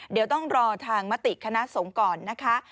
เดี๋ยวต้องรอทางมติคณะสงฆ์ก่อนนะคะ